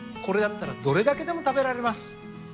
これだったらどれだけでも食べられます。